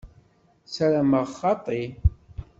Sarameɣ xaṭi.